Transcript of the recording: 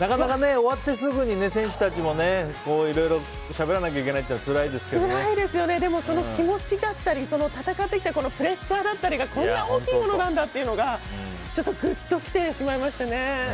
なかなかね、終わってすぐに選手たちもねいろいろしゃべらなきゃいけないというのはでも、その気持ちだったりその戦ってきたプレッシャーだったりがこんなに大きいものなんだというのがグッときてしまいましたね。